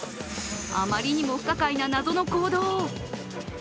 余りにも不可解な謎の行動。